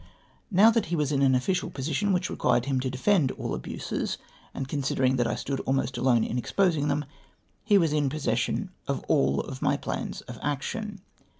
Now that he Avas in an official position which required him to defend all abitses, and considering that I stood almost alone in exposing them, he was in possession of all my plans of action